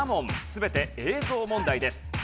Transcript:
全て映像問題です。